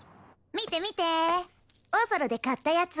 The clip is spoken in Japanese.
見て見ておそろで買ったやつ。